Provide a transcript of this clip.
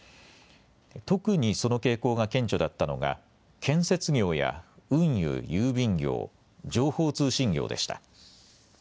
特にその傾向が顕著だったのが建設業や運輸・郵便業、情報通信業でした。